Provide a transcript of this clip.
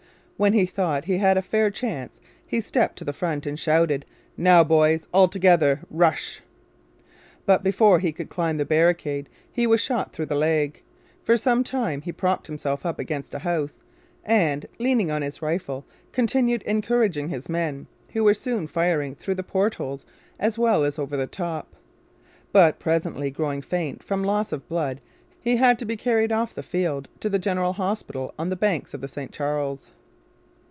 When he thought he had a fair chance he stepped to the front and shouted, 'Now, boys, all together, rush!' But before he could climb the barricade he was shot through the leg. For some time he propped himself up against a house and, leaning on his rifle, continued encouraging his men, who were soon firing through the port holes as well as over the top. But presently growing faint from loss of blood he had to be carried off the field to the General Hospital on the banks of the St Charles.